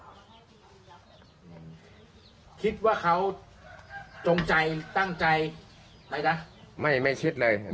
คิดว่าเขาจงใจตั้งใจไปแล้วไม่ไม่คิดเลยสินะ